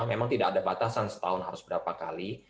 memang tidak ada batasan setahun harus berapa kali